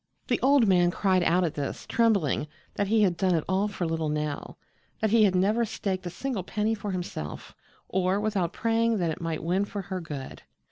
The old man cried out at this, trembling, that he had done it all for little Nell; that he had never staked a single penny for himself, or without praying that it might win for her good.